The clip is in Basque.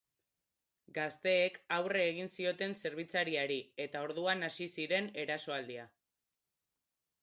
Gazteek aurre egin zioten zerbitzariari eta orduan hasi ziren erasoaldia.